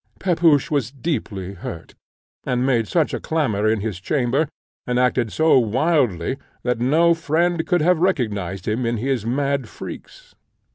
Pepusch was deeply hurt, and made such a clamour in his chamber, and acted so wildly, that no friend could have recognized him in his mad freaks.